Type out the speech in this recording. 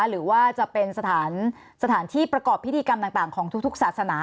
หรือว่าจะเป็นสถานที่ประกอบพิธีกรรมต่างของทุกศาสนา